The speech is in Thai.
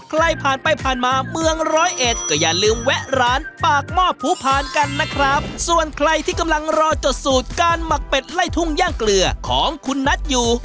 ใครผ่านไปผ่านมาเมืองร้อยเอ็ดก็อย่าลืมแวะร้านปากหม้อผู้พานกันนะครับส่วนใครที่กำลังรอจดสูตรการหมักเป็ดไล่ทุ่งย่างเกลือของคุณนัทอยู่